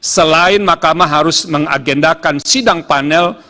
selain mahkamah harus mengagendakan sidang panel